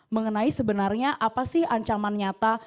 mengenai sebenarnya apa sih ancaman nyata